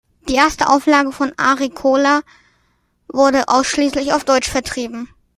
Die erste Auflage von Agricola wurde ausschließlich auf Deutsch vertrieben.